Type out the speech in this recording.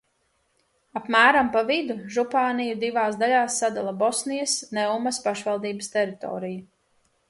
Apmēram pa vidu župāniju divās daļās sadala Bosnijas Neumas pašvaldības teritorija.